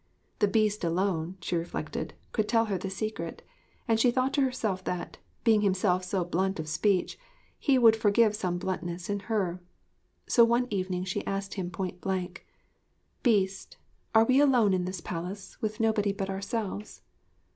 The Beast alone (she reflected) could tell her the secret; and she thought to herself that, being himself so blunt of speech, he would forgive some bluntness in her. So one evening she asked him point blank: 'Beast, are we alone in this palace, with nobody but ourselves?'